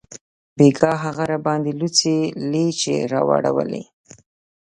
بیګاه هغې راباندې لوڅې لیچې واړولې